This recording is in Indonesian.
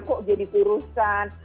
kok jadi kurusan